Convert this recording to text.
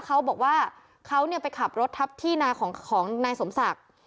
เขาบอกว่าเขาไปขับรถทับที่นาของนายสมศักดิ์